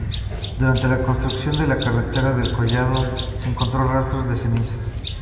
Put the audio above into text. Durante la construcción de la carretera del collado, se encontró rastros de cenizas.